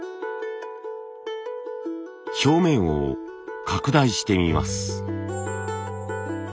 表面を拡大してみます。